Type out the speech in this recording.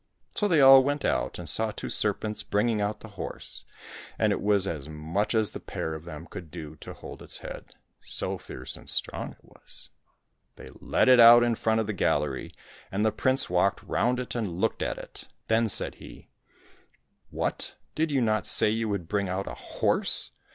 So they all went out and saw two serpents bringing out the horse, and it was as much as the pair of them could do to hold its head, so fierce and strong it was. They led it out in front of the gallery, and the prince walked round it and looked at it. Then said he, " What ! did you not say you would bring out a horse